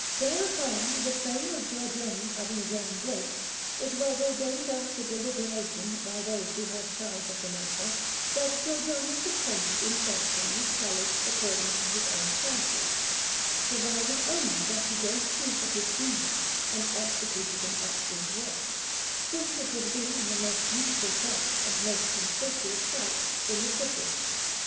Thereupon, the fame of Giorgione having grown great, it was ordained after deliberation by those who had charge of the matter, that Giorgione should paint it in fresco with colours according to his own fancy, provided only that he gave proof of his genius and executed an excellent work, since it would be in the most beautiful place and most conspicuous site in the city.